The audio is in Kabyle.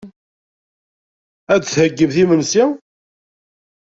Ad d-theyyimt imensi.